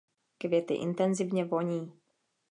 Květy intenzívně voní.